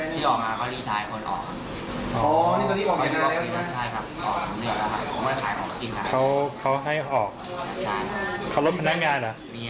โชคดีครับทุกท่าน